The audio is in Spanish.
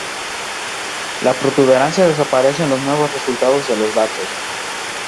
La protuberancia desaparece en los nuevos resultados de los datos.